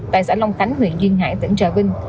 tại xã long khánh huyện duyên hải tỉnh trà vinh